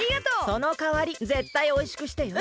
そのかわりぜったいおいしくしてよ！